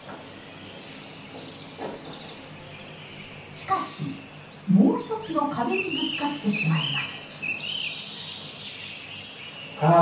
しかしもう一つの壁にぶつかってしまいます。